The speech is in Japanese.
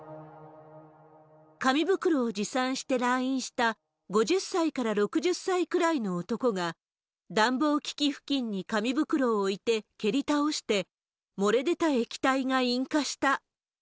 紙袋を持参して来院した５０歳から６０歳くらいの男が、暖房機器付近に紙袋を置いて、蹴り倒して、漏れ出た液体が引火した。